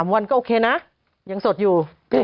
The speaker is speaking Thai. วันก็โอเคนะยังสดอยู่